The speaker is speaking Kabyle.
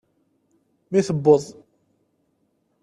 Mi tewweḍ.